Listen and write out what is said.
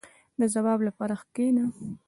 • د ځواب لپاره کښېنه.